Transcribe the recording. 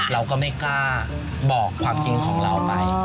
เราก็ไม่กล้าบอกความจริงของเราไป